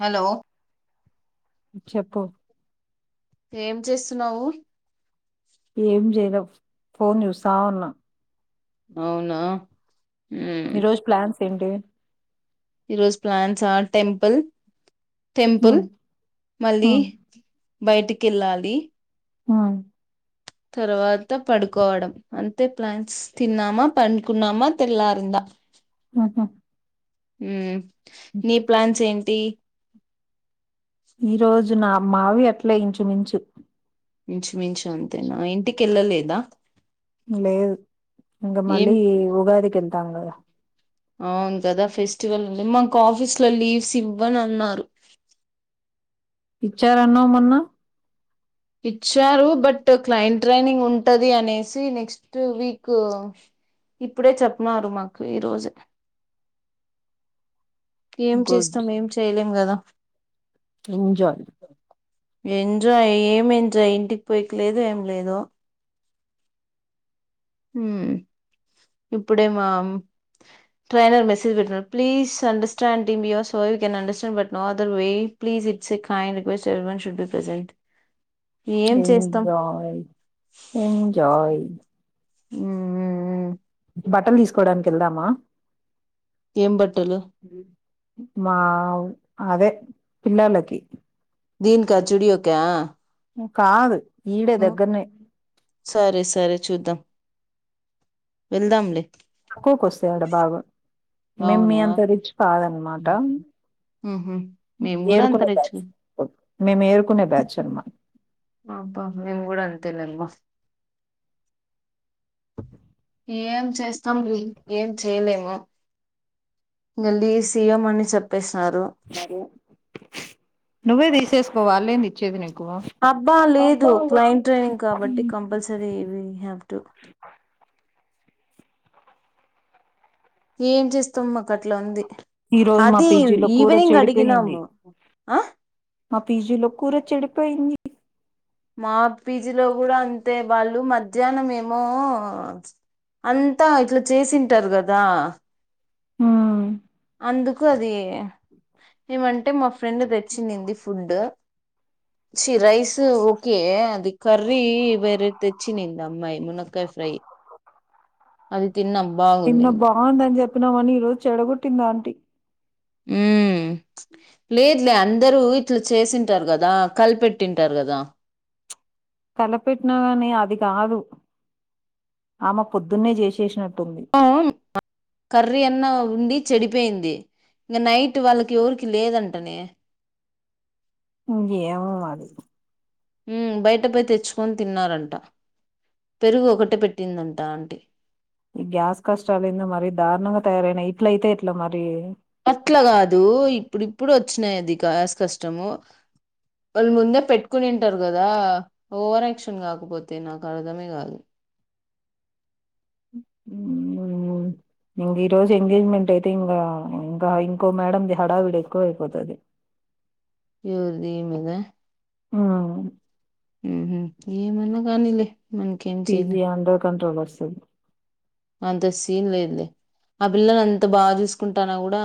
Hello చెప్పు ఏం చేస్తున్నావు ఏం చేయల ఫోన్ జూస్ త వున్నా అవునా ఈరోోజు ప్లాన్స్ ఏంటి ఈరోజ్ ప్లాన్స్ ఆర్ టెంపుల్ టెంపుల్ హ్మ్ మళ్ళీ హ్మ్ బయటిక్ కెల్లాలీ ఆ తర్వాత పడుకోవడం అంతే ప్లాన్స్ తిన్నామా పండుకున్నామా తెల్లారిందా అహ ఉమ్ నీ ప్లాన్స్ ఏంటి ఇరోజ్ నా మావి అట్లే ఇంచుమించు మించు మించు అంతేనా ఇంటికిెళ్ళలేదా లేదు ఇంకా మళ్ళీ ఉగాదికి వెళ్తాం కదా అవును కదా ఫెస్టివల్ ఉంది మాకు ఆఫీస్ లో లీవ్స్ ఇవ్వని అన్నారు ఇచ్చారన్నా మొన్న ఇచ్చారు బట్ క్లయింట్ ట్రైనింగ్ ఉంటది అనేసి నెక్స్ట్ వీక్ ఇప్పుడే చెప్పన్నారు మాకు ఈరోజు ఏం గుడ్ చేస్తాం ఏం చేయలేం కదా ఎంజాయ్ ఎంజాయ్ ఏం ఎంజాయ్ ఇంటికి పోయిక లేదు ఏం లేదు ఇప్పుడేమ ట్రైనర్ మెసేజ్ పెట్టిన్నారు please understanding be your so you can understand but no other way please it's a kind request even should be present enjoy enjoy ఉమ్ ఉమ్ ఉమ్ బట్టలు తీసుకోవడానికి వెళ్దామా ఏం బట్టలు మా అదే పిల్లలకి దీనిక జుడియొక కాదు ఈడే ఉమ్ దగ్గరనే సరే సరే చూద్దాం వెళ్దాంలే తక్కువకి వస్తాయి బాగా మే మీ అవునా అంత రిచ్ కాదనమాట ఏరుకునే బ్యాచ్ మేము ఏరుకునే బ్యాచ్ అనమాట అబా మేము కూడా అంతేలేమ్మా ఏం చేస్తాం ఏం చేయలేము మళ్ళీ అయ్య మని చెప్పేస్త సారు నువ్వే తీసేకోవాల్లేది ఇచ్చేది నీకు అబ్బా లేదు క్లయింట్ ట్రైనింగ్ కాబట్టి కంపల్సరీ వుయ్ హ్యావ్ టు ఏం చేస్తాం మాకు అట్లా ఉంది ఈ రోజు మా అది పీజీలో కూర ఈవనింగ్ చెడిపోయింది అడిగినాము ఆ మా పీజులో కూర చెడిపోయింది మా పీజీలో కూడా అంతే వాళ్ళు మధ్యాహ్నం ఏమో అంతా ఇట్లా చేసింటారు కదా హ్మ్ అందుకు అది ఏమంటే మా ఫ్రెండ్ తెచ్చింనింది ఫుడ్ రైస్ ఓకే అది కర్రీ వేరే తెచ్చింది అమ్మాయి మునక్కయ ఫ్రై అది తిన్న నిన్న బాగున్నింది బాగుందని చెప్పినామని ఈ రోజు చెడగొట్టింది ఆంటీ ఉమ్ లేదులే అందరూ ఇట్లా చేసింటారు కదా కలిపెట్టింటారు కదా కలపెట్టినా కాని అది కాదు ఆమె పొద్దున్నే చేసేసిన ఆ ఉమ్ కర్రీ అన్న ఉండి చెడిపోయింది ఇంక నైట్ వాళ్ళకి ఎవరికి లేదంటనే ఇంగేమో మరి ఉమ్ బయటపోయ్ తెచ్చుకొని తిన్నారంట పెరుగు ఒకటే పెట్టిందంట అంటీ ఈ గ్యాస్ కష్టాలెంది మరీ దారుణంగా తయారైనయి ఇట్లయితే ఎట్లా మరి అట్లా కాదు ఇప్పుడు ఇప్పుడు వచ్చినాయి అది గ్యాస్ కష్టము వాళ్ళు ముందే పెట్టుకునింటారు కదా ఓవర్ ఆక్షన్ కాకపోతే నాకు అర్థమే కాదు ఇంగా ఈ రోజు ఎంగేజ్మెంట్ అయితే ఇంకా ఇంకా ఇంకో మేడది హడావిడు ఎక్కువ అయిపోతది ఎవరుది ఏ మీద ఆ ఏ మన్న కానిలే పిజ అండర్ కంట్రోల్ వచ్చ సం అంత సీన్ లేదులే ఆ పిల్లని అంత బాగా చూసుకుంటాన్న కూడా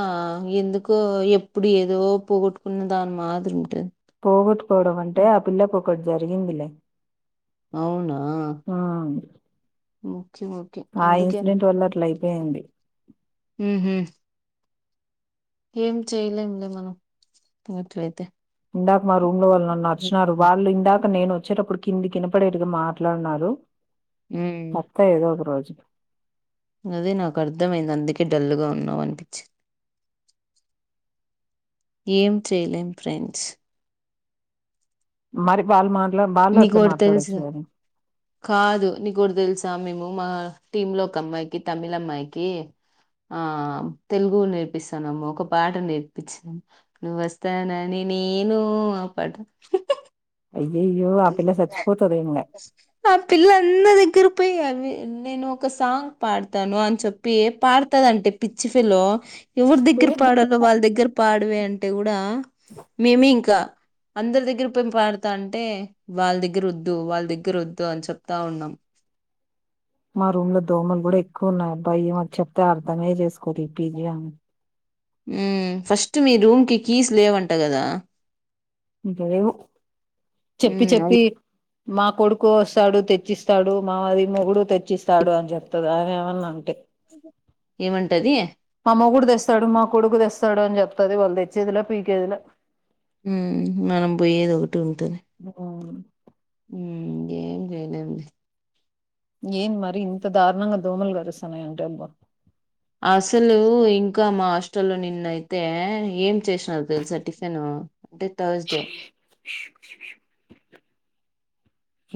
ఎందుకో ఎప్పుడూ ఏదో పోగొట్టుకున్న దాని మాదిరి ఉంటుంది పోగట్టు పోవడం అంటే ఆ పిల్ల జరిగిందలే అవునా ఓకే ఓకే ఆ అందుకే ఇన్సిడెంట్ వల్ల అట్లా మ్మ్ అయిపోయింది హ్మ్మ్ ఏం చేయలేంలే మనం గట్లఅయితే ఇందాక మా రూమ్ లో వాళ్ళు నన్ను అర్చినారు వాళ్ళు ఇందాక నేను వచ్చేటప్పుడు కిందికిినపడేటుగా మాట్లాడునారు మ్మ్. మత్త ఏదో ఒక రోజు మ్మ్ అదే నాకు అర్థమయింది అందుకే డల్లుగా ఉన్నావు అనిపించింది ఏం చేయలేం ఫ్రెండ్స్ మరిపాల మా నీకోటి తెలుసా కాదు నీకోటి తెలుసా మేము మా టీమ్ లో ఒక అమ్మాయికి తమిళ అమ్మాయికి ఆ తెలుగు నేర్పిస్తానము ఒక పాట నేర్పించ నువ్వ వస్తానని నేను ఆ పాట అయ్యయ్యో ఆ పిల్ల సచ్చిపోతది ఆ పిల్లన్నదికు చె పోయి అవి నేను ఒక సాంగ్ పాడతాను అని చెప్పి పాడతందింటే పిచ్చి ఫిలో ఎవరి దగ్గర ఇంగ పాడాలో వాళ్ళ దగ్గర పాడవే అంటే కూడా మేమే ఇంకా అందరి దగ్గర పెంపడుతా అంటే వాళ్ళ దగ్గర వద్దు వాళ్ళ దగ్గర వద్దు అని చెప్తా ఉన్నాం మా రూమ్ లో దోమలు కూడా ఎక్కువ ఉన్నాయి అబ్బా మా చెప్తే అర్ధమే చేసుకోదూ ఈ పిజీ ఆమె ఫస్ట్ మీ రూమ్ కి కీస్ లేవంట గదా ఇంటే చెప్పి హ్మ్. అది చెప్పి మా కొడుకు వస్తాడు తెచ్చిస్తాడు మా అది మొగుడు తెచ్చిస్తాడు అని చెప్తది అవి ఏమన్నా అంటే ఏమంటది మా మొగుడు తెస్తాడు మా కొడుకు తెస్తాడు అని చెప్తది వాళ్ళు తెచ్చేదిలా పీకేదిలా ఉమ్ మనం పోయ ఏదో ఒక ఆ ఏం చేయలేం ఏన్ మరి ఇంత దారుణంగా దోమలు గారుసన్నా అంటల్ అసలు ఇంకా మా హాస్టల్ లో నిన్నయితే ఏం చేసినారు తెలుసా టిఫిన్ అంటే థర్స్ డే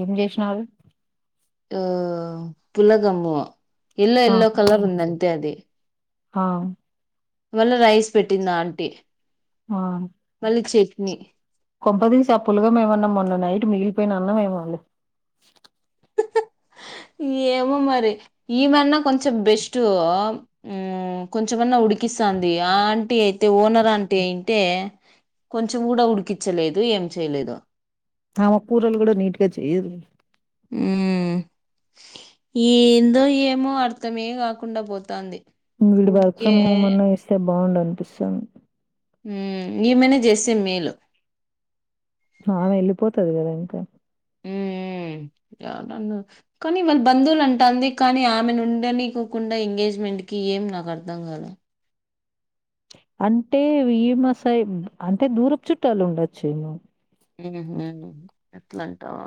ఏం చేసినారు ఊమ్మ్ పులగమ్ము ఎల్లో ఆ ఎల్లో కలర్ ఉంది అంతే అది ఆ మళ్ళ రైస్ పెట్టింది ఆంటీ ఆ మళ్ళీ చట్నీ కొంపదీసి ఆ పులగం ఏమన్నా మొన్న నైట్ మిగిలిపోయిన అన్నం ఏమోలే ఏమో మరి ఈమన్నా కొంచెం బెస్ట్ ఊమ్మ్ కొంచెమన్నా ఉడికిస్తాంది ఆ ఆంటీ అయితే ఓనర్ ఆంటీ అయింటే కొంచెం కూడా ఉడికిచ్చలేదు ఏం చేయలేదు ఆమ కూరలు కూడా నీట్ గా చెయ్యదు లే ఉమ్మ్ ఏందో ఏమో అర్థమే కాకుండా పోతాంది వీడు వర్క్ ఊరికే ఫ్రమ్ హోమ్ అన్నా ఇస్తే బావుండు అనిపిస్తాంది ఊమ్మ్ ఈమెనే చేస్తే మేలు ఆమె వెళ్ళిపోతాది కదా ఇంక ఉమ్మ్ [unintelligible] కానీ వాళ్ళ బంధువులు అంటాంది కానీ ఆమెను ఉండనీకోకుండా ఎంగేజ్మెంట్ కి ఏం నాకు అర్థం కాలా అంటే వీ ఈమ సైడ్ అంటే దూరపు చుట్టాలు ఉండొచ్చును ఉహూ అట్లంటావా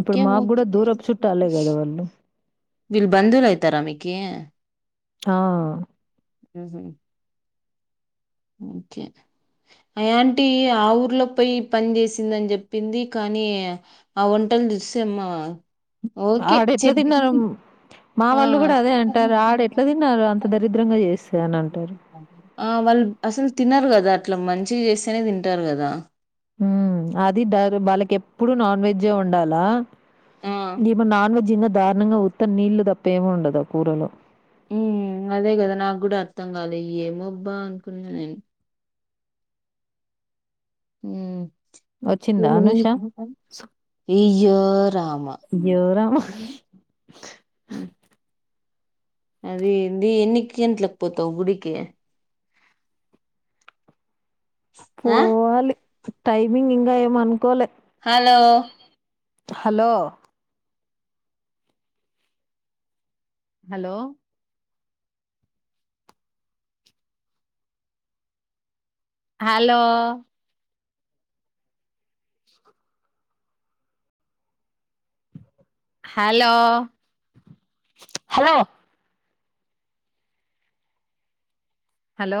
ఇప్పుడు మాకు ఓకే కూడా దూరపు చుట్టాలే కదా వాళ్ళు వీళ్ళు బంధువులు అయితారా మీకి ఆ ఉహూ ఓకే అ ఆంటీ ఆ ఊర్లో పోయి పని చేసిందని చెప్పింది కానీ ఆ వంటలు చూస్తేమో ఆడ ఎట్లా తిన్నారు మా ఆ వాళ్ళు కూడా అదే అంటారు ఆడ ఎట్లా తిన్నారు అంత దరిద్రంగా చేస్ ఆ వాళ్ళు అసలు తినరు కదా ట్లా మంచిగా చేస్తేనే తింటారు కదా హూమ్మ్ అది డార్ వాళ్ళకి ఎప్పుడూ నాన్ వెజ్జే ఉండాలా ఆ ఈమె నాన్ వెజ్ జింగా దారుణంగా ఉత్త నీళ్లు తప్ప ఏం ఉండదు ఆ కూరలో ఉమ్మ్ అదే కదా నాకు కూడా అర్థం కాలే ఏమోబ్బా అనుకున్నా నేను వచ్చిందా హూమ్మ్ అనూష? అయ్యో రామ అయ్యో రామ! అది ఏంది ఎన్నికి గంట్లకు పోతావు గుడికి ఆ పోవాలి టైమింగ్ ఇంకా ఏమనుకోలే hello hello hello hello hello hello hello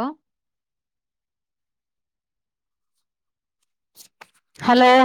hello